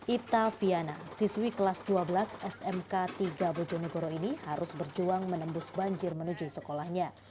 ita fiana siswi kelas dua belas smk tiga bojonegoro ini harus berjuang menembus banjir menuju sekolahnya